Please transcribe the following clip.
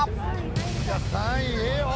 いや３位ええよ